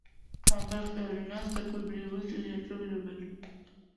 The number of arenas that will be used is yet to be revealed.